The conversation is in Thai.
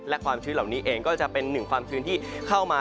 และความชื้นเหล่านี้เองก็จะเป็นหนึ่งความชื้นที่เข้ามา